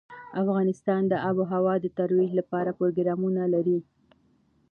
افغانستان د آب وهوا د ترویج لپاره پروګرامونه لري.